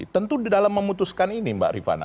tentu di dalam memutuskan ini mbak rifana